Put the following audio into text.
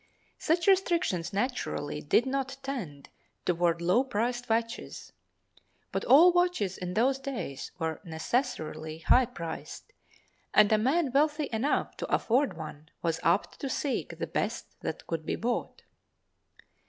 Such restrictions naturally did not tend toward low priced watches; but all watches in those days were necessarily high priced, and a man wealthy enough to afford one was apt to seek the best that could be bought.